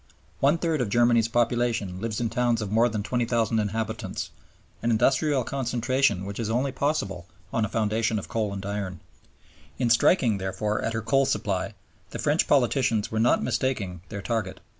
One third of Germany's population lives in towns of more than 20,000 inhabitants, an industrial concentration which is only possible on a foundation of coal and iron. In striking, therefore, at her coal supply, the French politicians were not mistaking their target.